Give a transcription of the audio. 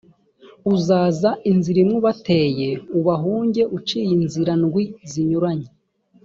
uzaza inzira imwe ubateye, ubahunge uciye inzira ndwi zinyuranye.